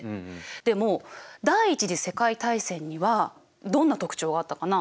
でも第一次世界大戦にはどんな特徴があったかな？